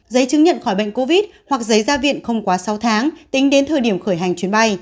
giấy chứng nhận khỏi bệnh covid hoặc giấy ra viện không quá sáu tháng tính đến thời điểm khởi hành chuyến bay